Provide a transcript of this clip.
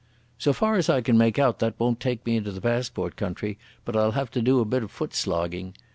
"So far as I can make out that won't take me into the passport country, but I'll have to do a bit of footslogging.